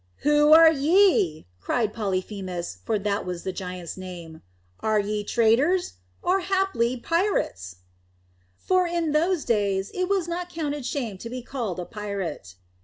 "Who are ye?" cried Polyphemus, for that was the giant's name. "Are ye traders, or, haply, pirates?" For in those days it was not counted shame to be called a pirate.